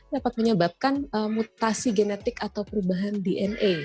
dapat menyebabkan mutasi genetik atau perubahan dna